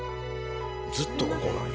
ずっとここなんや。